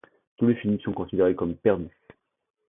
Tous les films sont considérés comme perdus.